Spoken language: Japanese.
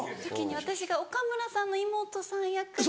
私が岡村さんの妹さん役で。